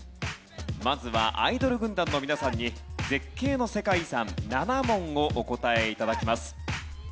まずはアイドル軍団の皆さんに絶景の世界遺産７問をお答え頂きます。